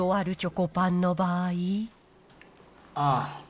ああ。